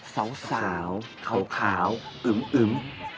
สาวเขาขาวอึ้ม